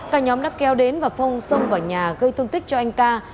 cả nhóm đắp keo đến và phong sông vào nhà gây thân tích cho anh ca